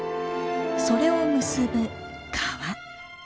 それを結ぶ川。